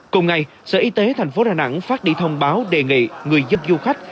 cùng ngày sở y tế thành phố đà nẵng phát đi thông báo đề nghị người giúp du khách